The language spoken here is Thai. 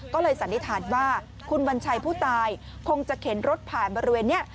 ก็เลยสันนิษฐานว่าคุณวัญชัยผู้ตายคงจะเข็นรถผ่านบริเวณนี้